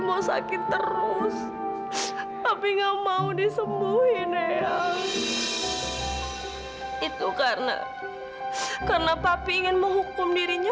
mau sakit terus tapi enggak mau disembuhin ya itu karena karena papi ingin menghukum dirinya